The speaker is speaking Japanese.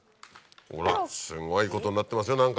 ほらすごいことになってますよ何か。